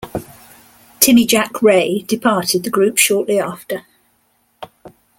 Timmy Jack Ray departed the group shortly after.